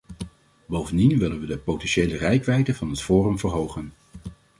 Bovendien willen we de potentiële reikwijdte van het forum verhogen.